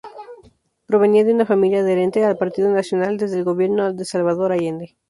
Provenía de una familia adherente al Partido Nacional desde el gobierno de Salvador Allende.